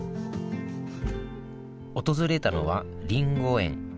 訪れたのはりんご園。